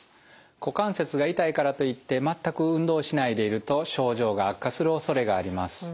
股関節が痛いからといってまったく運動をしないでいると症状が悪化するおそれがあります。